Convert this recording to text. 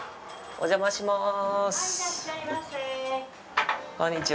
お邪魔します。